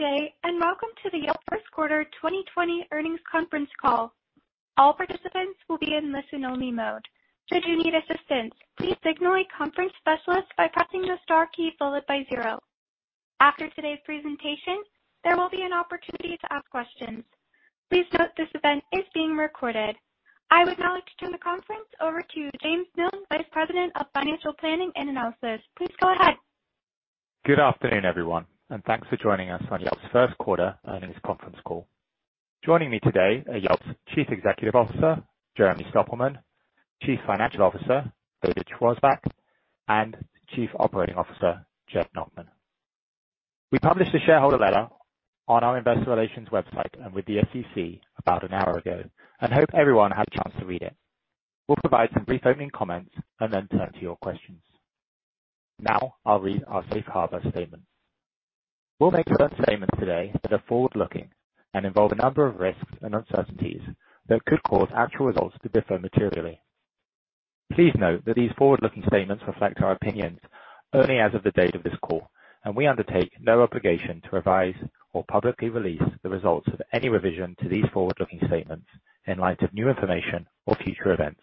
Good day, and welcome to the Yelp first quarter 2020 earnings conference call. All participants will be in listen-only mode. Should you need assistance, please signal a conference specialist by pressing the star key followed by zero. After today's presentation, there will be an opportunity to ask questions. Please note this event is being recorded. I would now like to turn the conference over to James Miln, Vice President of Financial Planning and Analysis. Please go ahead. Good afternoon, everyone, and thanks for joining us on Yelp's first quarter earnings conference call. Joining me today are Yelp's Chief Executive Officer, Jeremy Stoppelman; Chief Financial Officer, David Schwarzbach; and Chief Operating Officer, Jed Nachman. We published a shareholder letter on our investor relations website and with the SEC about an hour ago and hope everyone had a chance to read it. We'll provide some brief opening comments and then turn to your questions. Now I'll read our safe harbor statement. We'll make other statements today that are forward-looking and involve a number of risks and uncertainties that could cause actual results to differ materially. Please note that these forward-looking statements reflect our opinions only as of the date of this call, and we undertake no obligation to revise or publicly release the results of any revision to these forward-looking statements in light of new information or future events.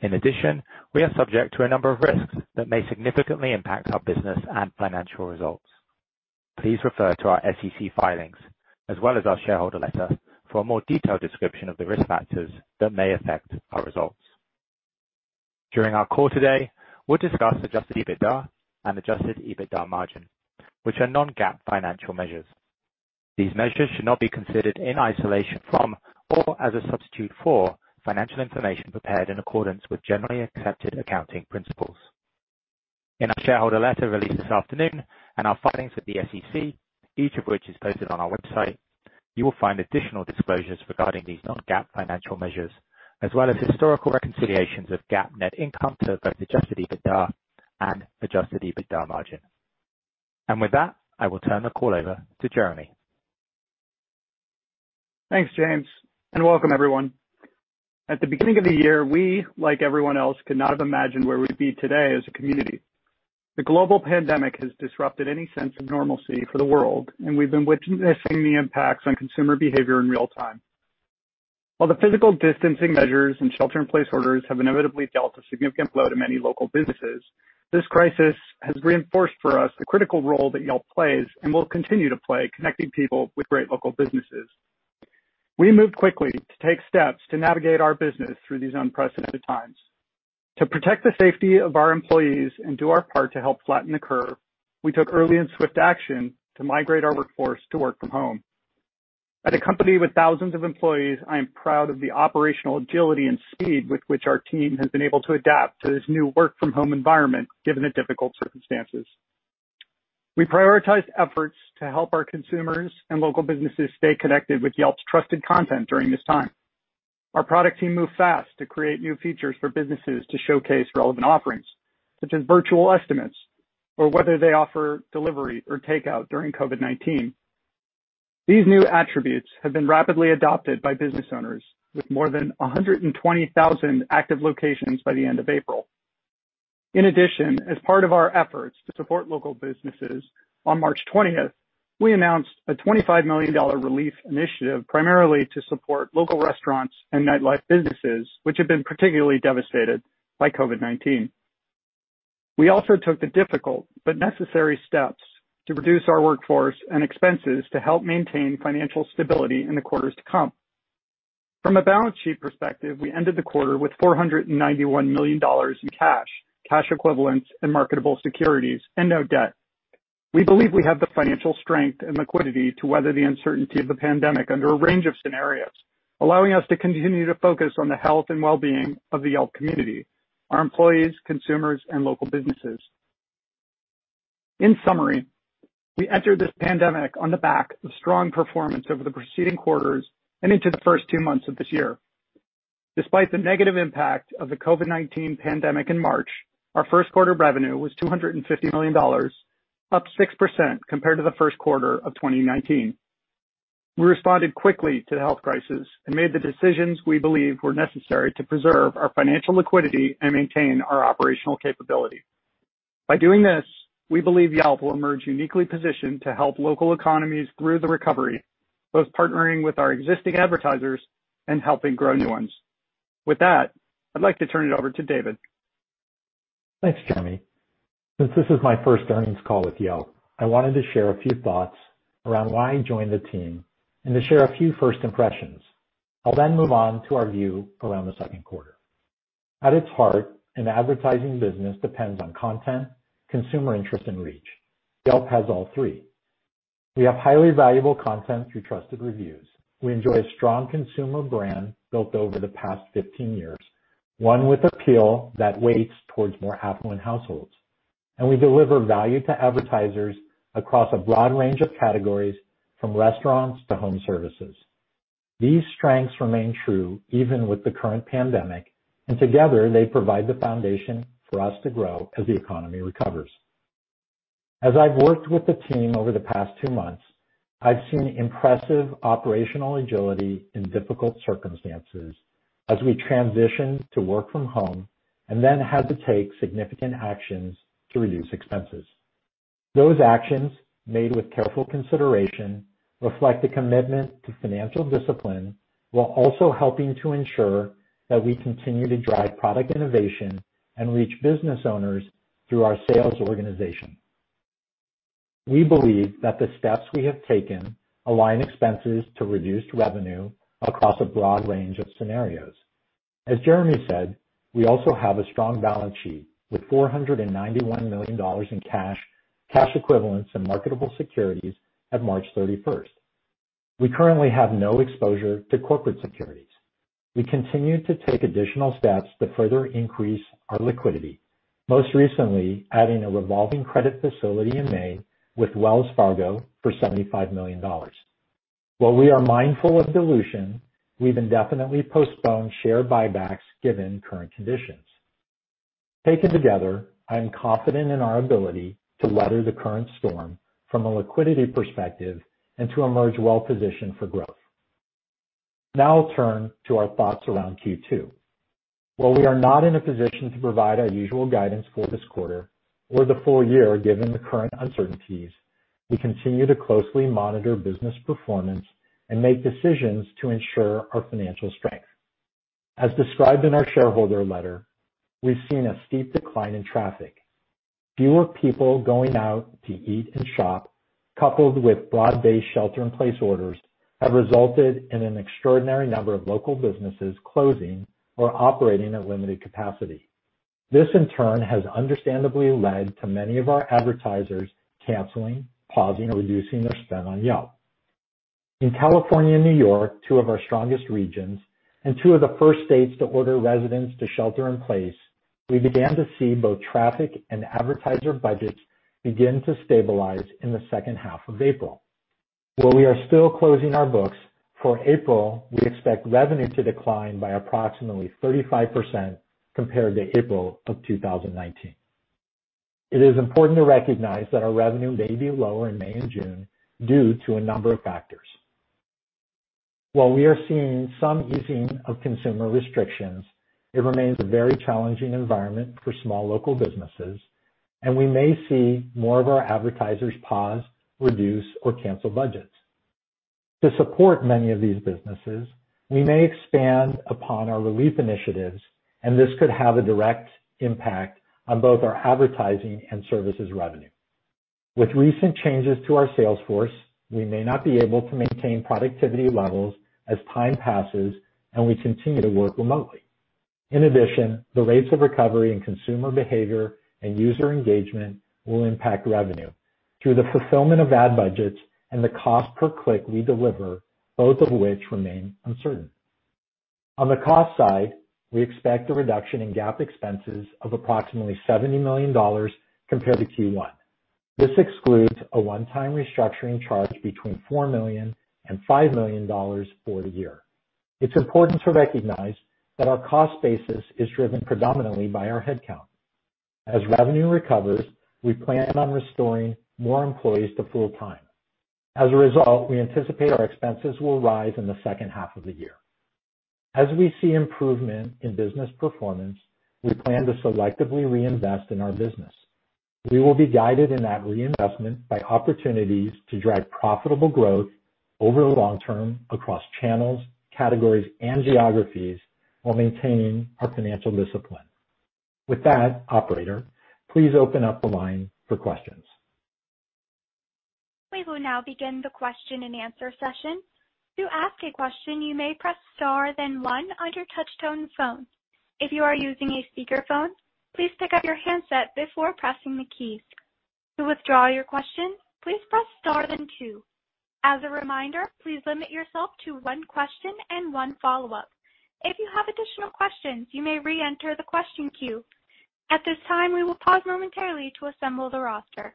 In addition, we are subject to a number of risks that may significantly impact our business and financial results. Please refer to our SEC filings as well as our shareholder letter for a more detailed description of the risk factors that may affect our results. During our call today, we'll discuss adjusted EBITDA and adjusted EBITDA margin, which are non-GAAP financial measures. These measures should not be considered in isolation from or as a substitute for financial information prepared in accordance with generally accepted accounting principles. In our shareholder letter released this afternoon and our filings with the SEC, each of which is posted on our website, you will find additional disclosures regarding these non-GAAP financial measures, as well as historical reconciliations of GAAP net income to both adjusted EBITDA and adjusted EBITDA margin. With that, I will turn the call over to Jeremy. Thanks, James, and welcome everyone. At the beginning of the year, we, like everyone else, could not have imagined where we'd be today as a community. The global pandemic has disrupted any sense of normalcy for the world, and we've been witnessing the impacts on consumer behavior in real time. While the physical distancing measures and shelter-in-place orders have inevitably dealt a significant blow to many local businesses, this crisis has reinforced for us the critical role that Yelp plays and will continue to play connecting people with great local businesses. We moved quickly to take steps to navigate our business through these unprecedented times. To protect the safety of our employees and do our part to help flatten the curve, we took early and swift action to migrate our workforce to work from home. At a company with thousands of employees, I am proud of the operational agility and speed with which our team has been able to adapt to this new work-from-home environment, given the difficult circumstances. We prioritize efforts to help our consumers and local businesses stay connected with Yelp's trusted content during this time. Our product team moved fast to create new features for businesses to showcase relevant offerings, such as virtual estimates or whether they offer delivery or takeout during COVID-19. These new attributes have been rapidly adopted by business owners with more than 120,000 active locations by the end of April. In addition, as part of our efforts to support local businesses, on March 20th, we announced a $25 million relief initiative primarily to support local restaurants and nightlife businesses, which have been particularly devastated by COVID-19. We also took the difficult but necessary steps to reduce our workforce and expenses to help maintain financial stability in the quarters to come. From a balance sheet perspective, we ended the quarter with $491 million in cash equivalents and marketable securities and no debt. We believe we have the financial strength and liquidity to weather the uncertainty of the pandemic under a range of scenarios, allowing us to continue to focus on the health and well-being of the Yelp community, our employees, consumers, and local businesses. In summary, we entered this pandemic on the back of strong performance over the preceding quarters and into the first two months of this year. Despite the negative impact of the COVID-19 pandemic in March, our first quarter revenue was $250 million, up 6% compared to the first quarter of 2019. We responded quickly to the health crisis and made the decisions we believe were necessary to preserve our financial liquidity and maintain our operational capability. By doing this, we believe Yelp will emerge uniquely positioned to help local economies through the recovery, both partnering with our existing advertisers and helping grow new ones. With that, I'd like to turn it over to David. Thanks, Jeremy. Since this is my first earnings call with Yelp, I wanted to share a few thoughts around why I joined the team and to share a few first impressions. I'll then move on to our view around the second quarter. At its heart, an advertising business depends on content, consumer interest, and reach. Yelp has all three. We have highly valuable content through trusted reviews. We enjoy a strong consumer brand built over the past 15 years, one with appeal that weights towards more affluent households. We deliver value to advertisers across a broad range of categories, from restaurants to home services. These strengths remain true even with the current pandemic, and together they provide the foundation for us to grow as the economy recovers. As I've worked with the team over the past two months, I've seen impressive operational agility in difficult circumstances as we transition to work from home and then had to take significant actions to reduce expenses. Those actions, made with careful consideration, reflect a commitment to financial discipline while also helping to ensure that we continue to drive product innovation and reach business owners through our sales organization. We believe that the steps we have taken align expenses to reduced revenue across a broad range of scenarios. As Jeremy said, we also have a strong balance sheet with $491 million in cash equivalents and marketable securities at March 31st. We currently have no exposure to corporate securities. We continue to take additional steps to further increase our liquidity, most recently adding a revolving credit facility in May with Wells Fargo for $75 million. While we are mindful of dilution, we've indefinitely postponed share buybacks given current conditions. Taken together, I am confident in our ability to weather the current storm from a liquidity perspective and to emerge well-positioned for growth. Now I'll turn to our thoughts around Q2. While we are not in a position to provide our usual guidance for this quarter or the full year, given the current uncertainties, we continue to closely monitor business performance and make decisions to ensure our financial strength. As described in our shareholder letter, we've seen a steep decline in traffic. Fewer people going out to eat and shop, coupled with broad-based shelter-in-place orders, have resulted in an extraordinary number of local businesses closing or operating at limited capacity. This, in turn, has understandably led to many of our advertisers canceling, pausing, or reducing their spend on Yelp. In California and New York, two of our strongest regions and two of the first states to order residents to shelter in place, we began to see both traffic and advertiser budgets begin to stabilize in the second half of April. While we are still closing our books, for April, we expect revenue to decline by approximately 35% compared to April of 2019. It is important to recognize that our revenue may be lower in May and June due to a number of factors. While we are seeing some easing of consumer restrictions, it remains a very challenging environment for small local businesses, and we may see more of our advertisers pause, reduce, or cancel budgets. To support many of these businesses, we may expand upon our relief initiatives, and this could have a direct impact on both our advertising and services revenue. With recent changes to our sales force, we may not be able to maintain productivity levels as time passes and we continue to work remotely. In addition, the rates of recovery in consumer behavior and user engagement will impact revenue through the fulfillment of ad budgets and the cost per click we deliver, both of which remain uncertain. On the cost side, we expect a reduction in GAAP expenses of $70 million compared to Q1. This excludes a one-time restructuring charge between $4 million and $5 million for the year. It's important to recognize that our cost basis is driven predominantly by our headcount. As revenue recovers, we plan on restoring more employees to full-time. As a result, we anticipate our expenses will rise in the second half of the year. As we see improvement in business performance, we plan to selectively reinvest in our business. We will be guided in that reinvestment by opportunities to drive profitable growth over the long term across channels, categories, and geographies while maintaining our financial discipline. With that, operator, please open up the line for questions. We will now begin the question and answer session. To ask a question, you may press star then one on your touch-tone phone. If you are using a speakerphone, please pick up your handset before pressing the keys. To withdraw your question, please press star then two. As a reminder, please limit yourself to one question and one follow-up. If you have additional questions, you may reenter the question queue. At this time, we will pause momentarily to assemble the roster.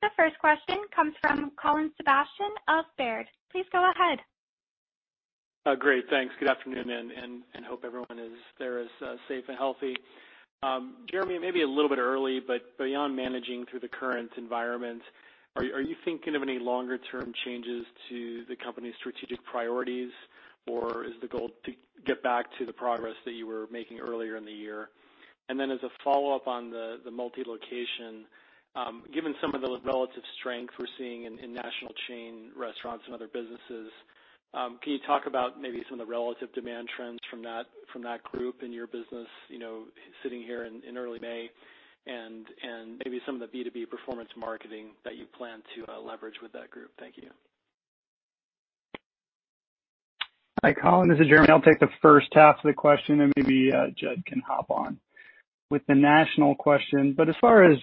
The first question comes from Colin Sebastian of Baird. Please go ahead. Great. Thanks. Good afternoon. Hope everyone there is safe and healthy. Jeremy, it may be a little bit early, but beyond managing through the current environment, are you thinking of any longer-term changes to the company's strategic priorities, or is the goal to get back to the progress that you were making earlier in the year? As a follow-up on the multi-location, given some of the relative strength we're seeing in national chain restaurants and other businesses, can you talk about maybe some of the relative demand trends from that group in your business sitting here in early May and maybe some of the B2B performance marketing that you plan to leverage with that group? Thank you. Hi, Colin. This is Jeremy. I'll take the first half of the question. Maybe Jed can hop on with the national question. As far as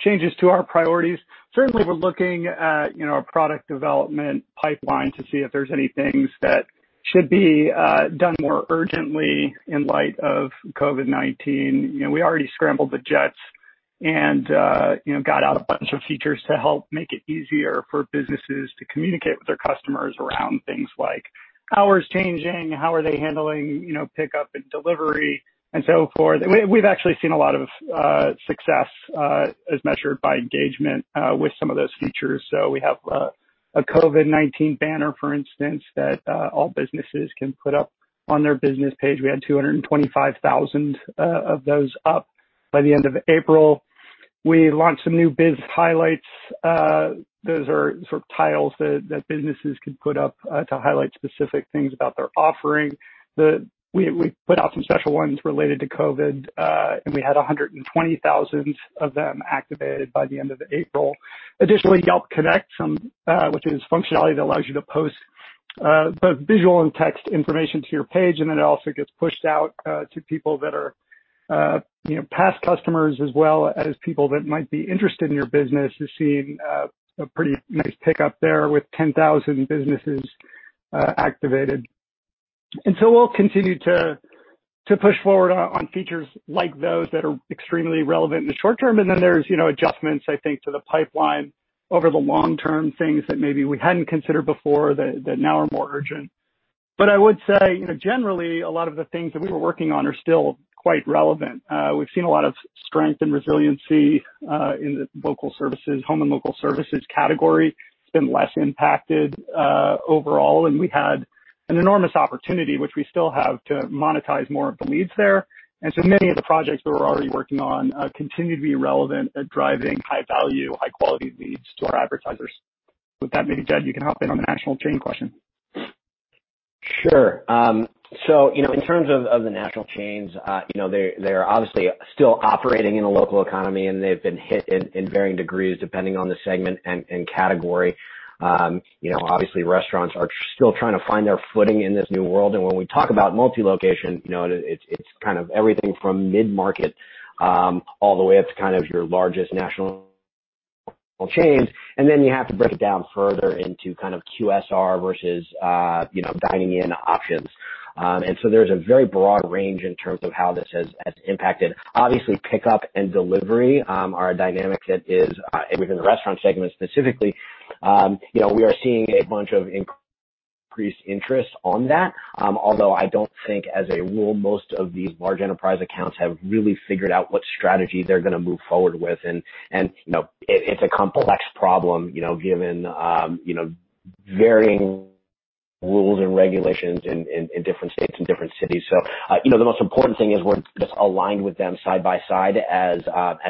changes to our priorities, certainly we're looking at our product development pipeline to see if there's any things that should be done more urgently in light of COVID-19. We already scrambled the jets and got out a bunch of features to help make it easier for businesses to communicate with their customers around things like hours changing, how are they handling pickup and delivery, and so forth. We've actually seen a lot of success, as measured by engagement, with some of those features. A COVID-19 banner, for instance, that all businesses can put up on their business page. We had 225,000 of those up by the end of April. We launched some new biz highlights. Those are sort of tiles that businesses could put up to highlight specific things about their offering. We put out some special ones related to COVID, and we had 120,000 of them activated by the end of April. Additionally, Yelp Connect, which is functionality that allows you to post both visual and text information to your page, and then it also gets pushed out to people that are past customers as well as people that might be interested in your business, is seeing a pretty nice pickup there with 10,000 businesses activated. We'll continue to push forward on features like those that are extremely relevant in the short term, and then there's adjustments, I think, to the pipeline over the long term, things that maybe we hadn't considered before that now are more urgent. I would say, generally, a lot of the things that we were working on are still quite relevant. We've seen a lot of strength and resiliency in the home and local services category. It's been less impacted overall, and we had an enormous opportunity, which we still have, to monetize more of the leads there. Many of the projects that we're already working on continue to be relevant at driving high-value, high-quality leads to our advertisers. With that being said, you can hop in on the national chain question. Sure. In terms of the national chains, they're obviously still operating in a local economy, and they've been hit in varying degrees, depending on the segment and category. Obviously, restaurants are still trying to find their footing in this new world. When we talk about multi-location, it's kind of everything from mid-market all the way up to kind of your largest national chains. You have to break it down further into kind of QSR versus dining-in options. There's a very broad range in terms of how this has impacted. Obviously, pickup and delivery are a dynamic; that is, within the restaurant segment specifically, we are seeing a bunch of increased interest on that. Although I don't think, as a rule, most of these large enterprise accounts have really figured out what strategy they're going to move forward with. It's a complex problem given varying rules and regulations in different states and different cities. The most important thing is we're just aligned with them side by side as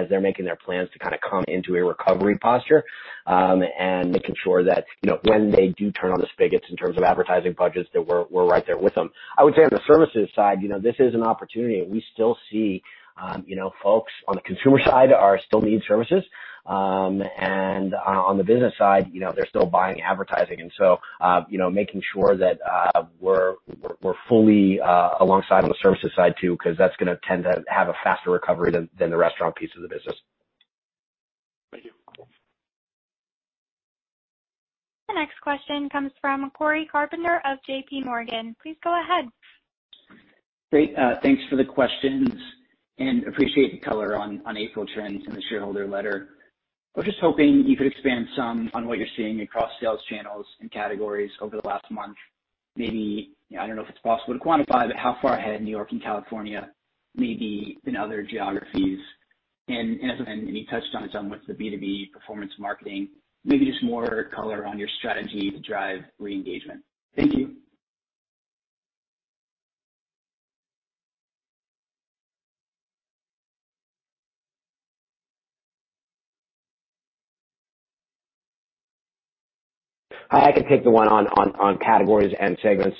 they're making their plans to kind of come into a recovery posture and making sure that when they do turn on the spigots in terms of advertising budgets, that we're right there with them. I would say on the services side, this is an opportunity, and we still see folks on the consumer side still need services. On the business side, they're still buying advertising. Making sure that we're fully alongside on the services side, too, because that's going to tend to have a faster recovery than the restaurant piece of the business. Thank you. The next question comes from Cory Carpenter of JPMorgan. Please go ahead. Great. Thanks for the questions; appreciate the color on April trends in the shareholder letter. I was just hoping you could expand some on what you're seeing across sales channels and categories over the last month. Maybe—I don't know if it's possible to quantify how far ahead New York and California may be than other geographies. As I mentioned, any touch points on what the B2B performance marketing, maybe just more color on your strategy to drive re-engagement. Thank you. I can take the one on categories and segments.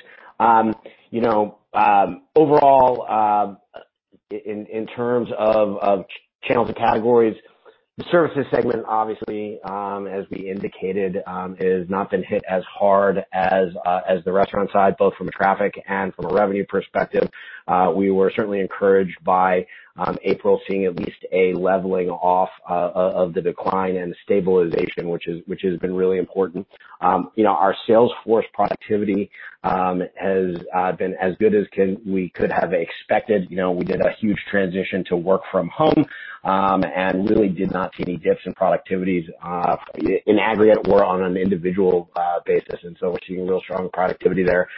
Overall, in terms of channels and categories, the services segment, obviously, as we indicated, has not been hit as hard as the restaurant side, both from a traffic and from a revenue perspective. We were certainly encouraged by April seeing at least a leveling off of the decline and stabilization, which has been really important. Our sales force productivity has been as good as we could have expected. We did a huge transition to work from home. Really did not see any dips in productivities in aggregate or on an individual basis. We're seeing real strong productivity there.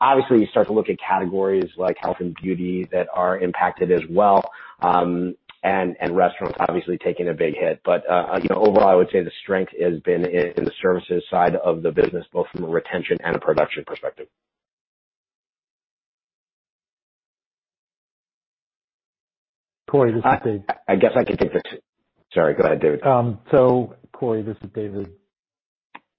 Obviously, you start to look at categories like health and beauty that are impacted as well, and restaurants obviously taking a big hit. Overall, I would say the strength has been in the services side of the business, both from a retention and a production perspective. Cory, this is David. I guess I can take this. Sorry. Go ahead, David. Cory, this is David.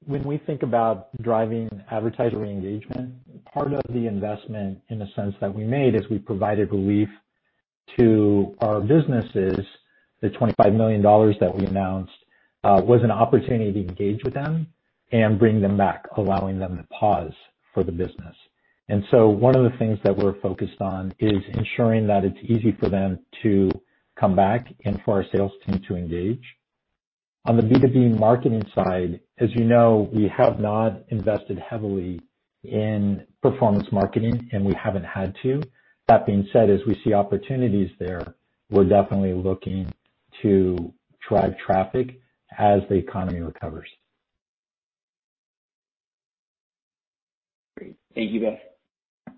When we think about driving advertiser re-engagement, part of the investment in a sense that we made is we provided relief to our businesses. The $25 million that we announced was an opportunity to engage with them and bring them back, allowing them to pause for the business. One of the things that we're focused on is ensuring that it's easy for them to come back and for our sales team to engage. On the B2B marketing side, as you know, we have not invested heavily in performance marketing, and we haven't had to. That being said, as we see opportunities there, we're definitely looking to drive traffic as the economy recovers. Great. Thank you, guys.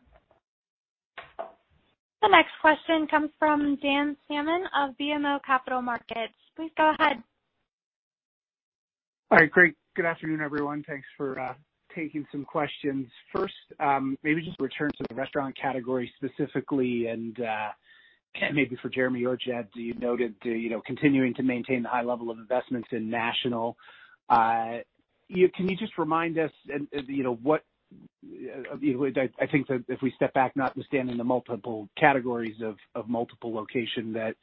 The next question comes from Dan Salmon of BMO Capital Markets. Please go ahead. All right. Great. Good afternoon, everyone. Thanks for taking some questions. First, maybe just return to the restaurant category specifically, and maybe for Jeremy or Jed, you noted continuing to maintain the high level of investments in national. Can you just remind us? I think that if we step back, notwithstanding the multiple categories of multiple locations, that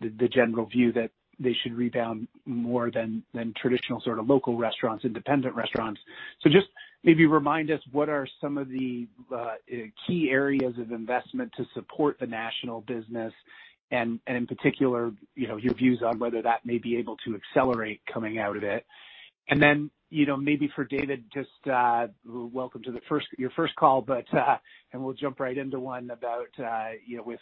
the general view that they should rebound more than traditional, sort of local restaurants, independent restaurants? Just maybe remind us what are some of the key areas of investment to support the national business and, in particular, your views on whether that may be able to accelerate coming out of it. Maybe for David, just welcome to your first call, but, and we'll jump right into one about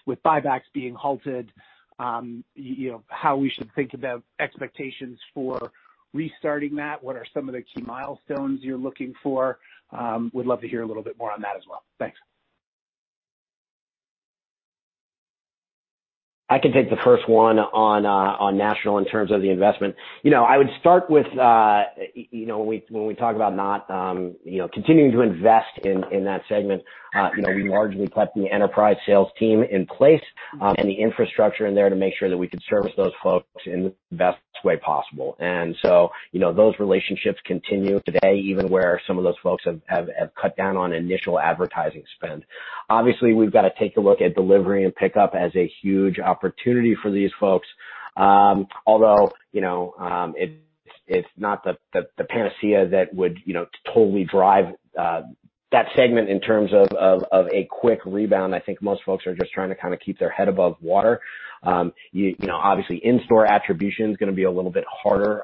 with buybacks being halted, how we should think about expectations for restarting that? What are some of the key milestones you're looking for? Would love to hear a little bit more on that as well. Thanks. I can take the first one on national in terms of the investment. I would start with when we talk about continuing to invest in that segment. We largely kept the enterprise sales team in place and the infrastructure in there to make sure that we could service those folks in the best way possible. Those relationships continue today, even where some of those folks have cut down on initial advertising spend. Obviously, we've got to take a look at delivery and pickup as a huge opportunity for these folks. Although it's not the panacea that would totally drive that segment in terms of a quick rebound. I think most folks are just trying to kind of keep their head above water. Obviously in-store attribution's going to be a little bit harder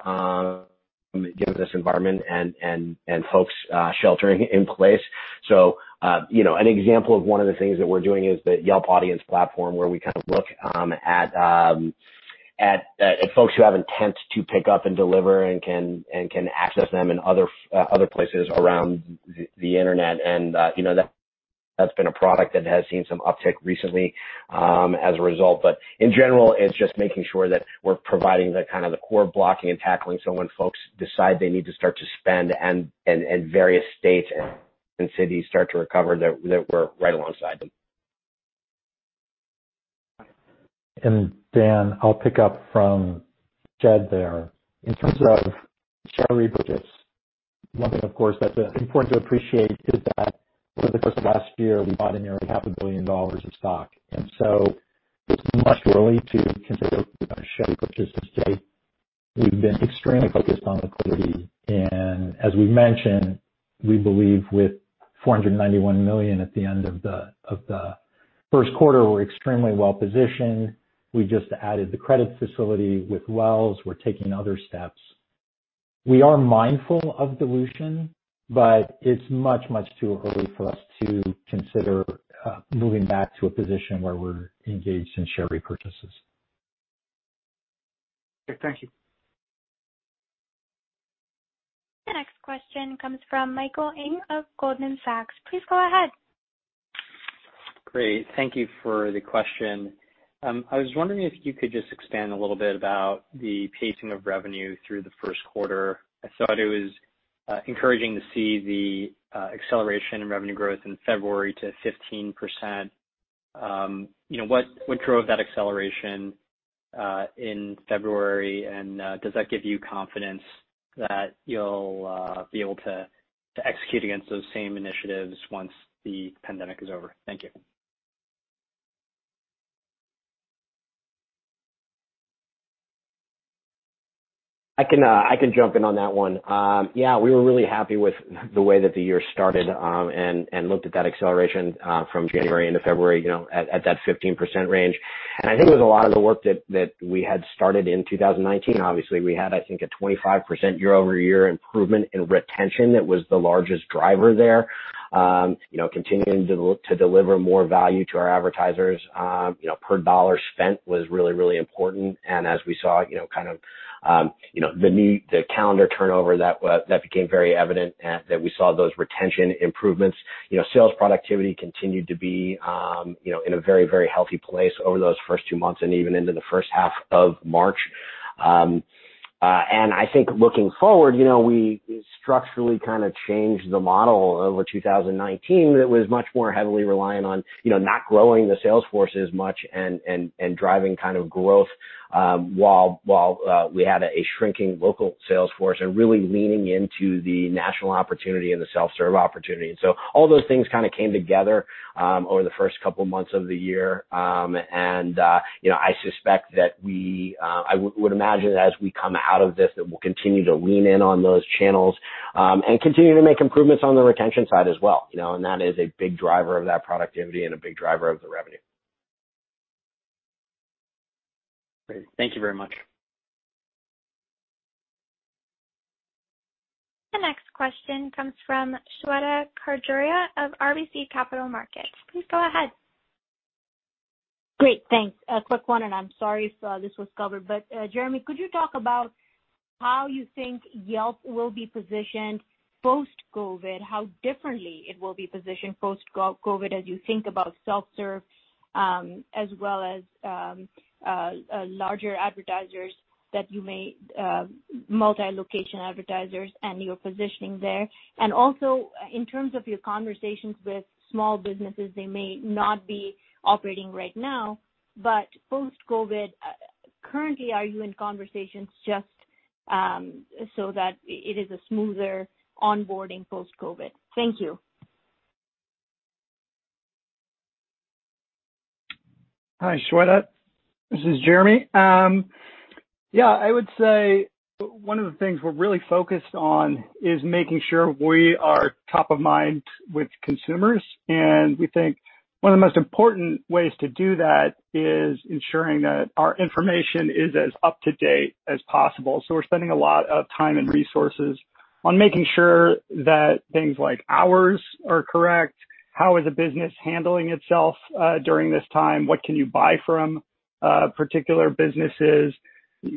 given this environment and folks sheltering in place. An example of one of the things that we're doing is the Yelp Audiences platform, where we kind of look at folks who have intent to pick up and deliver and can access them in other places around the internet. That's been a product that has seen some uptick recently as a result. In general, it's just making sure that we're providing the core blocking and tackling so when folks decide they need to start to spend and various states and cities start to recover, that we're right alongside them. Dan, I'll pick up from Jed there. In terms of share repurchases, one thing, of course, that's important to appreciate is that over the course of last year, we bought nearly half a billion dollars of stock. So it's much too early to consider share purchases today. We've been extremely focused on liquidity, and as we've mentioned, we believe with $491 million at the end of the first quarter, we're extremely well-positioned. We just added the credit facility with Wells. We're taking other steps. We are mindful of dilution, but it's much, much too early for us to consider moving back to a position where we're engaged in share repurchases. Okay. Thank you. The next question comes from Michael Ng of Goldman Sachs. Please go ahead. Great. Thank you for the question. I was wondering if you could just expand a little bit about the pacing of revenue through the first quarter. I thought it was encouraging to see the acceleration in revenue growth in February to 15%. What drove that acceleration in February? Does that give you confidence that you'll be able to execute against those same initiatives once the pandemic is over? Thank you. I can jump in on that one. Yeah, we were really happy with the way that the year started, looked at that acceleration from January into February, at that 15% range. I think it was a lot of the work that we had started in 2019. Obviously, we had, I think, a 25% year-over-year improvement in retention that was the largest driver there. Continuing to deliver more value to our advertisers per dollar spent was really, really important. As we saw, kind of the calendar turnover, that became very evident that we saw those retention improvements. Sales productivity continued to be in a very, very healthy place over those first two months and even into the first half of March. I think looking forward, we structurally kind of changed the model over 2019 that was much more heavily reliant on not growing the sales force as much and driving kind of growth while we had a shrinking local sales force and really leaning into the national opportunity and the self-serve opportunity. So all those things kind of came together over the first couple months of the year. I would imagine as we come out of this that we'll continue to lean in on those channels and continue to make improvements on the retention side as well. That is a big driver of that productivity and a big driver of the revenue. Great. Thank you very much. The next question comes from Shweta Khajuria of RBC Capital Markets. Please go ahead. Great, thanks. A quick one, I'm sorry if this was covered. Jeremy, could you talk about how you think Yelp will be positioned post-COVID? How differently it will be positioned post-COVID as you think about self-serve as well as larger advertisers, multi-location advertisers, and your positioning there? Also, in terms of your conversations with small businesses, they may not be operating right now, but post-COVID, currently, are you in conversations just so that it is a smoother onboarding post-COVID? Thank you. Hi, Shweta. This is Jeremy. Yeah, I would say one of the things we're really focused on is making sure we are top of mind with consumers. We think one of the most important ways to do that is ensuring that our information is as up-to-date as possible. We're spending a lot of time and resources on making sure that things like hours are correct. How is a business handling itself during this time? What can you buy from particular businesses?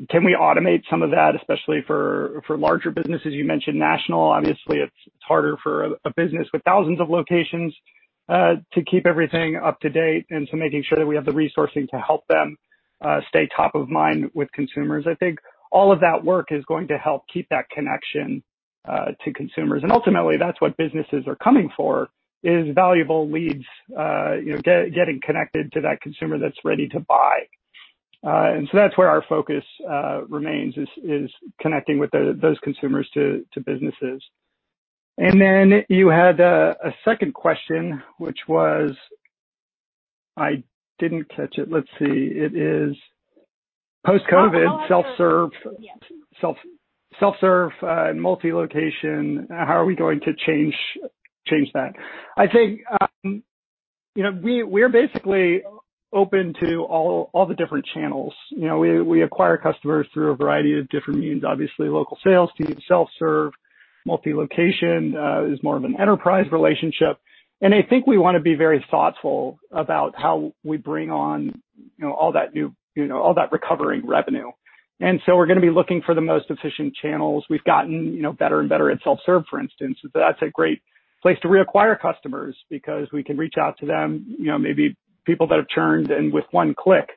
Can we automate some of that, especially for larger businesses? You mentioned national. Obviously, it's harder for a business with thousands of locations to keep everything up-to-date. Making sure that we have the resourcing to help them stay top of mind with consumers. I think all of that work is going to help keep that connection to consumers. Ultimately, that's what businesses are coming for, is valuable leads, getting connected to that consumer that's ready to buy. That's where our focus remains, is connecting with those consumers to businesses. You had a second question, which was I didn't catch it. Let's see. It is post-COVID- How Self-serve Yes self-serve, multi-location. How are we going to change that? I think we're basically open to all the different channels. We acquire customers through a variety of different means. Obviously, a local sales team, self-serve, multi-location is more of an enterprise relationship. I think we want to be very thoughtful about how we bring on all that recovering revenue. We're going to be looking for the most efficient channels. We've gotten better and better at self-serve, for instance. That's a great place to reacquire customers because we can reach out to them, maybe people that have churned, and with one click,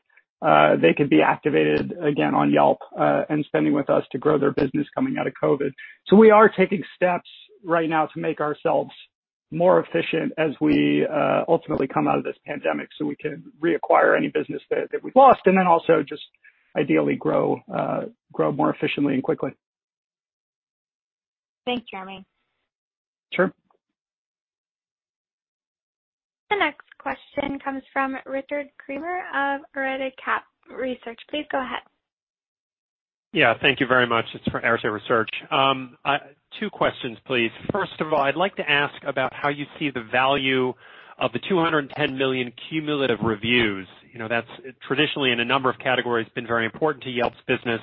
they could be activated again on Yelp and spending with us to grow their business coming out of COVID. We are taking steps right now to make ourselves more efficient as we ultimately come out of this pandemic so we can reacquire any business that we've lost and then also just ideally grow more efficiently and quickly. Thanks, Jeremy. Sure. The next question comes from Richard Kramer of Arete Research. Please go ahead. Yeah, thank you very much. It's for Arete Research. Two questions, please. First of all, I'd like to ask about how you see the value of the 210 million cumulative reviews. That's traditionally, in a number of categories, been very important to Yelp's business.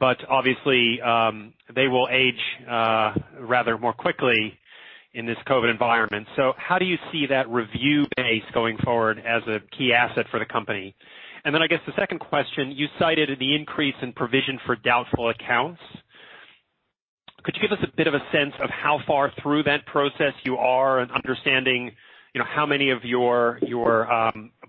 Obviously, they will age rather more quickly in this COVID environment. How do you see that review base going forward as a key asset for the company? I guess for the second question, you cited the increase in provision for doubtful accounts. Could you give us a bit of a sense of how far through that process you are and understanding, how many of your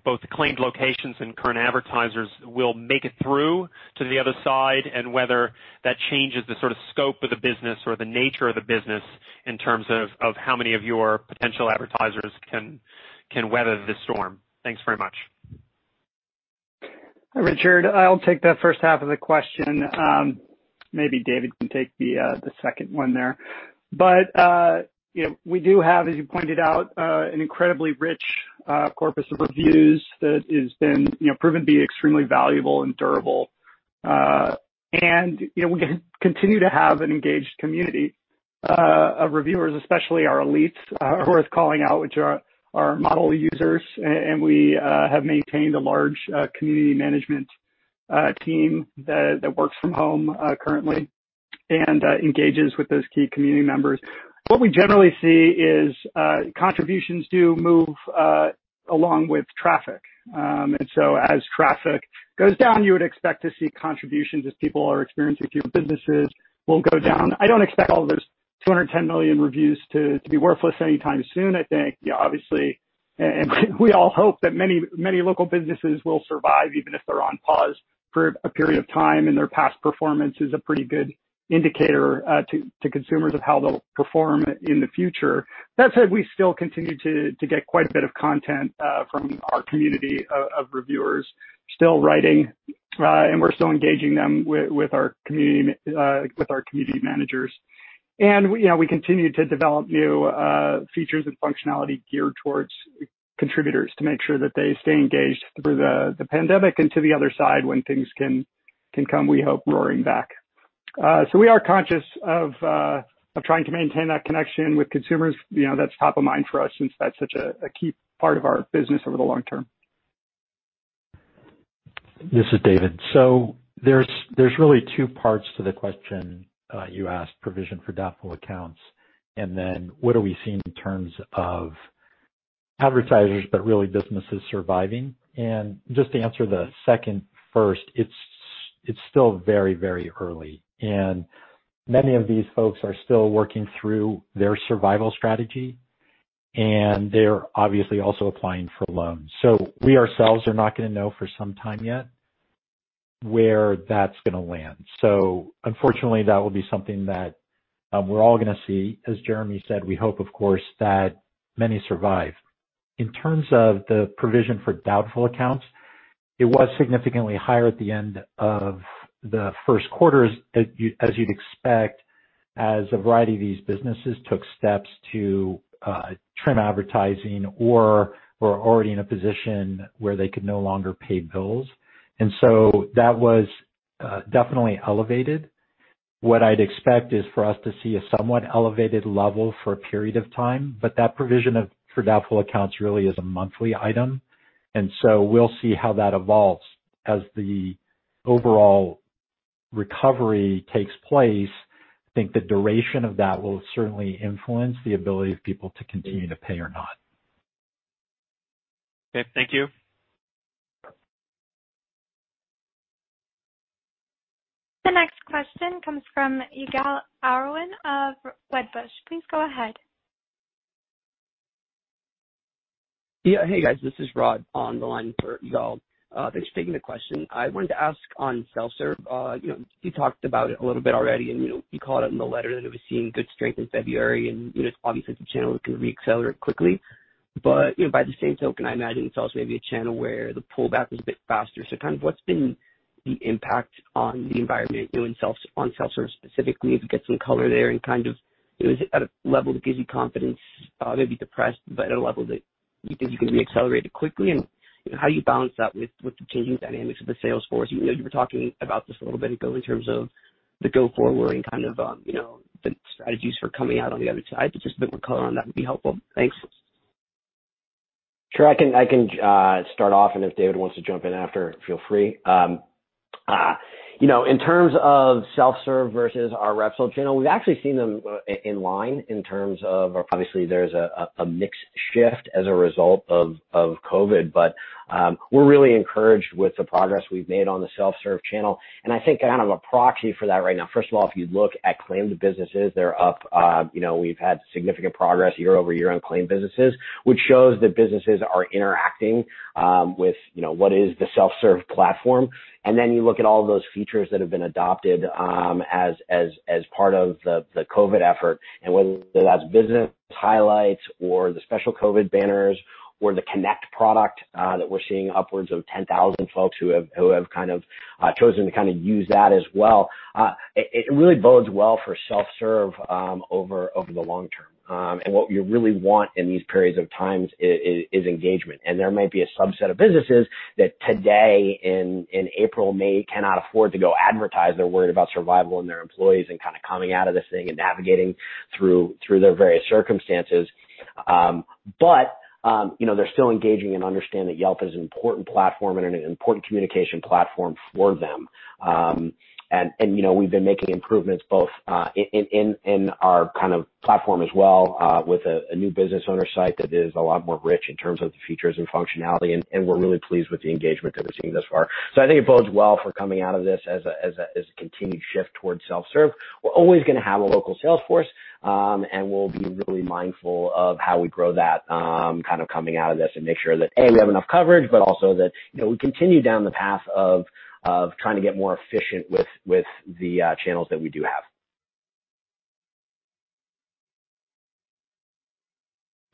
both claimed locations and current advertisers will make it through to the other side? Whether that changes the sort of scope of the business or the nature of the business in terms of how many of your potential advertisers can weather this storm. Thanks very much. Hi, Richard. I'll take the first half of the question. Maybe David can take the second one there. We do have, as you pointed out, an incredibly rich corpus of reviews that has been proven to be extremely valuable and durable. We continue to have an engaged community of reviewers; especially our elites are worth calling out, which are our model users. We have maintained a large community management team that works from home currently and engages with those key community members. What we generally see is contributions do move along with traffic. As traffic goes down, you would expect to see contributions as people are experiencing fewer businesses; it will go down. I don't expect all those 210 million reviews to be worthless anytime soon. I think, obviously, and we all hope that many local businesses will survive, even if they're on pause for a period of time and their past performance is a pretty good indicator to consumers of how they'll perform in the future. That said, we still continue to get quite a bit of content from our community of reviewers still writing, and we're still engaging them with our community managers. We continue to develop new features and functionality geared towards contributors to make sure that they stay engaged through the pandemic and to the other side when things can come, we hope, roaring back. We are conscious of trying to maintain that connection with consumers. That's top of mind for us since that's such a key part of our business over the long term. This is David. There's really two parts to the question you asked: provision for doubtful accounts and then what are we seeing in terms of advertisers, but really businesses surviving. Just to answer the second first, it's still very early. Many of these folks are still working through their survival strategy, and they're obviously also applying for loans. We ourselves are not going to know for some time yet where that's going to land. Unfortunately, that will be something that we're all going to see. As Jeremy said, we hope, of course, that many survive. In terms of the provision for doubtful accounts, it was significantly higher at the end of the first quarter, as you'd expect, as a variety of these businesses took steps to trim advertising or were already in a position where they could no longer pay bills. That was definitely elevated. What I'd expect is for us to see a somewhat elevated level for a period of time, but that provision for doubtful accounts really is a monthly item. We'll see how that evolves as the overall recovery takes place. I think the duration of that will certainly influence the ability of people to continue to pay or not. Okay. Thank you. The next question comes from Yigal Arounian of Wedbush. Please go ahead. Hey, guys. This is Rod on the line for Yigal. Thanks for taking the question. I wanted to ask on self-serve. You talked about it a little bit already; you called out in the letter that it was seeing good strength in February, obviously it's a channel that can re-accelerate quickly. By the same token, I imagine it's also maybe a channel where the pullback is a bit faster. What's been the impact on the environment on self-serve specifically? If you get some color there, is it at a level that gives you confidence, maybe depressed, at a level that you think you can re-accelerate it quickly? How do you balance that with the changing dynamics of the sales force? Even though you were talking about this a little bit ago in terms of the go-forward and kind of the strategies for coming out on the other side, but just a bit more color on that would be helpful. Thanks. Sure. I can start off, and if David wants to jump in after, feel free. In terms of self-serve versus our rep sales channel, we've actually seen them in line in terms of, obviously, there's a mixed shift as a result of COVID. We're really encouraged with the progress we've made on the self-serve channel. I think a proxy for that right now, first of all, if you look at claimed businesses, they're up. We've had significant progress year-over-year on claimed businesses, which shows that businesses are interacting with what is the self-serve platform. You look at all of those features that have been adopted as part of the COVID effort, and whether that's business highlights or the special COVID banners or the Connect product that we're seeing upwards of 10,000 folks who have chosen to use that as well. It really bodes well for self-serve over the long term. What you really want in these periods of times is engagement. There might be a subset of businesses that today, in April, May, cannot afford to go advertise. They're worried about survival and their employees and kind of coming out of this thing and navigating through their various circumstances. They're still engaging and understand that Yelp is an important platform and an important communication platform for them. We've been making improvements both in our platform as well, with a new business owner site that is a lot more rich in terms of the features and functionality, and we're really pleased with the engagement that we're seeing thus far. I think it bodes well for coming out of this as a continued shift towards self-serve. We're always going to have a local sales force, and we'll be really mindful of how we grow that coming out of this and make sure that, A, we have enough coverage, but also that we continue down the path of trying to get more efficient with the channels that we do have.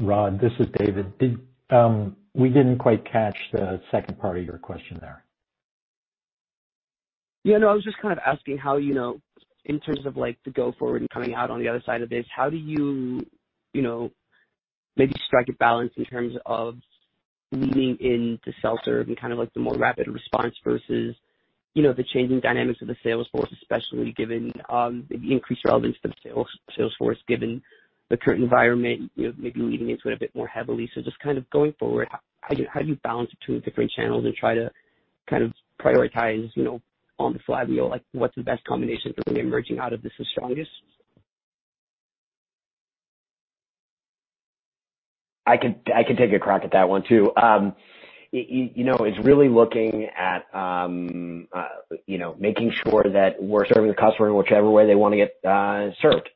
Rod, this is David. We didn't quite catch the second part of your question there. Yeah, no, I was just kind of asking how, in terms of the go-forward and coming out on the other side of this, how do you maybe strike a balance in terms of leaning into self-serve and kind of the more rapid response versus the changing dynamics of the sales force, especially given the increased relevance of the sales force, given the current environment, maybe leaning into it a bit more heavily. Just kind of going forward, how do you balance between different channels and try to prioritize on the fly what's the best combination for when you're emerging out of this the strongest? I can take a crack at that one, too. It's really looking at making sure that we're serving the customer in whichever way they want to get served.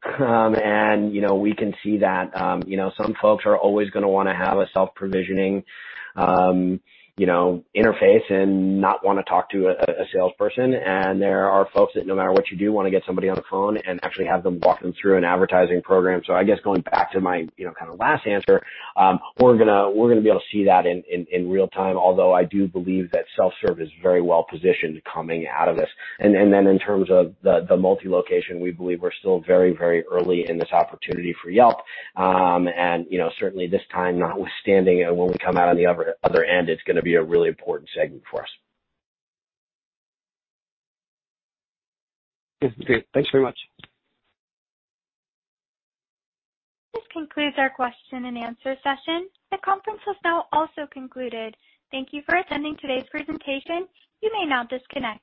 We can see that some folks are always going to want to have a self-provisioning interface and not want to talk to a salesperson. There are folks that, no matter what you do, want to get somebody on the phone and actually have them walk them through an advertising program. I guess going back to my last answer, we're going to be able to see that in real time, although I do believe that self-serve is very well positioned coming out of this. In terms of the multi-location, we believe we're still very early in this opportunity for Yelp. Certainly this time notwithstanding, when we come out on the other end, it's going to be a really important segment for us. Great. Thanks very much This concludes our question and answer session. The conference has now also concluded. Thank you for attending today's presentation. You may now disconnect.